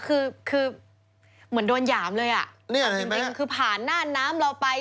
คือคือเหมือนโดนหยามเลยอ่ะจริงคือผ่านหน้าน้ำเราไป